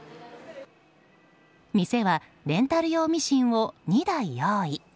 店はレンタル用ミシンを２台用意。